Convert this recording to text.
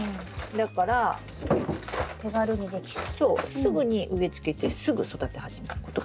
すぐに植え付けてすぐ育て始めることができる。